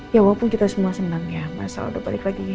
ya walaupun kita semua senang ya masalah udah balik lagi